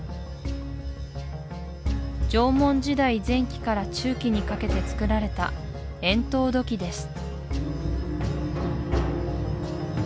縄文時代前期から中期にかけて作られた円筒土器です